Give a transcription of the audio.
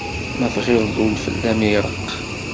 Ma tɣileḍ ul fell-am iṛeqq.